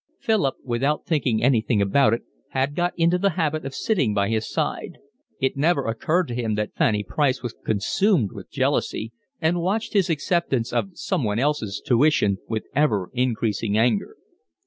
Philip, without thinking anything about it, had got into the habit of sitting by his side; it never occurred to him that Fanny Price was consumed with jealousy, and watched his acceptance of someone else's tuition with ever increasing anger.